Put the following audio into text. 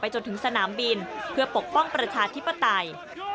จะปกป้องประชาธิปไตย